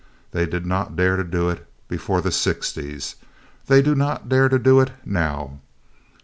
They did not dare to do it before the sixties. They do not dare to do it now.